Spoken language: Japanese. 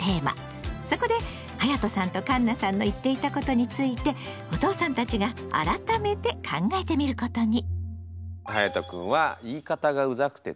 そこではやとさんとかんなさんの言っていたことについてお父さんたちが改めて考えてみることに。